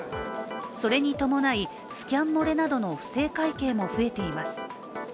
それに伴い、スキャン漏れなどの不正会計も増えています。